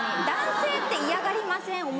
男性って嫌がりません？